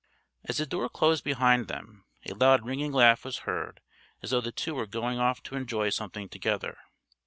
As the door closed behind them, a loud ringing laugh was heard as though the two were going off to enjoy something together.